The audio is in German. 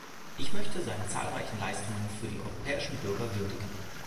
Ich möchte seine zahlreichen Leistungen für die europäischen Bürger würdigen.